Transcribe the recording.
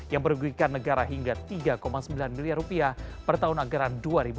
yang merugikan negara hingga tiga sembilan miliar rupiah per tahun anggaran dua ribu dua puluh